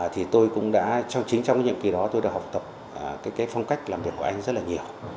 thì tôi cũng đã chính trong nhiệm kỳ đó tôi đã học tập phong cách làm việc của anh rất là nhiều